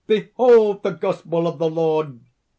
"Behold the Gospel of the Lord!"